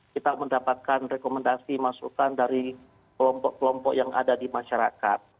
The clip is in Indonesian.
kita mendapatkan rekomendasi masukan dari kelompok kelompok yang ada di masyarakat